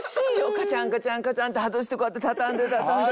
カチャンカチャンカチャンって外してこうやって畳んで畳んで。